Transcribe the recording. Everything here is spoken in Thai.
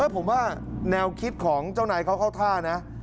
ผมว่าแนวคิดของเจ้านายเขาเข้าท่านะ